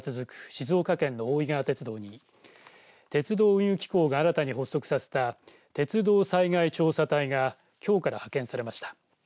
静岡県の大井川鉄道に鉄道・運輸機構が新たに発足させた鉄道災害調査隊がきょうから派遣されました。